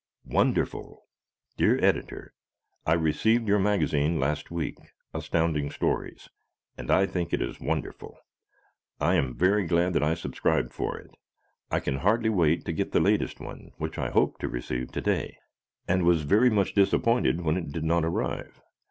"Wonderful" Dear Editor: I received your magazine last week, Astounding Stories, and I think it is wonderful. I am very glad that I subscribed for it. I can hardly wait to get the latest one which I hoped to receive to day and was very much disappointed when it did not arrive.